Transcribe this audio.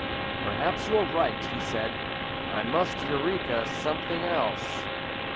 ] "Perhaps you are right," he said. "I must 'Eureka' something else."